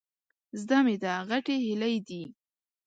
زده مې ده، غټې هيلۍ دي.